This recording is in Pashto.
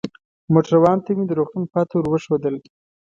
موټروان ته مې د روغتون پته ور وښودل.